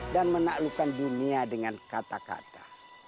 dan menaklukkan dunia dengan kata kata